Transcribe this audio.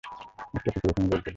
একটা কুকুর ওখানে লোল ফেলেছে।